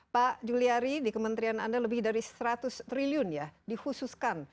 pak juliari di kementerian anda lebih dari seratus triliun ya dikhususkan